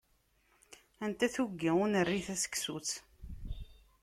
Anta tuggi ur nerri taseksut?